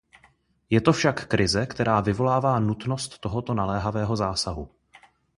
Je to však krize, která vyvolává nutnost tohoto naléhavého zásahu.